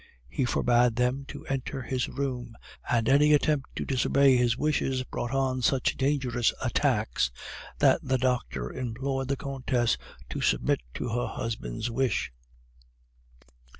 He forbade them to enter his room, and any attempt to disobey his wishes brought on such dangerous attacks that the doctor implored the Countess to submit to her husband's wish.